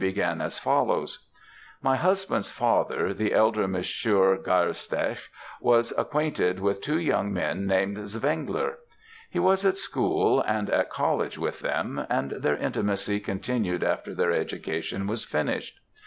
began as follows. "My husband's father, the elder Monsieur Geirsteche, was acquainted with two young men named Zwengler. He was at school and at college with them, and their intimacy continued after their education was finished.